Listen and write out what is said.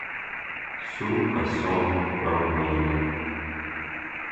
Suru ka sɔ̃ɔ ba mwɛɛna.